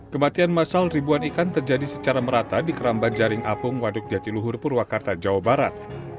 kematian masal ribuan ikan terjadi secara merata di kerambat jaring apung waduk jatiluhur purwakarta jawa barat